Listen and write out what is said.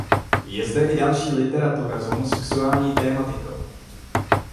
Je zde i další literatura s homosexuální tematiku.